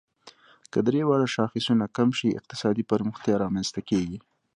که درې واړه شاخصونه کم شي، اقتصادي پرمختیا رامنځ ته کیږي.